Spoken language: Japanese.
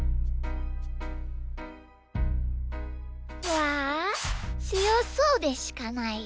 わつよそうでしかないよ。